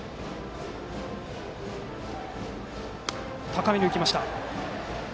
高めに浮きました。